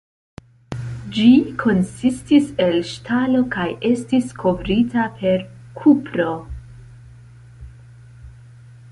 Ĝi konsistis el ŝtalo kaj estis kovrita per kupro.